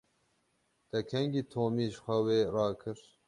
Te kengî Tomî ji xewê rakir?